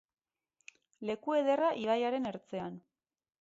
Leku ederra ibaiaren ertzean.